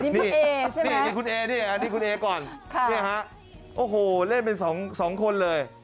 นี่คุณเอใช่ไหมนี่คุณเอนี่คุณเอก่อนนี่ฮะโอ้โหเล่นเป็น๒คนเลย